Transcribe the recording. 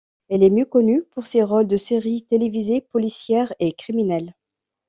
Elle est mieux connue pour ses rôles de séries télévisées policières et criminelles.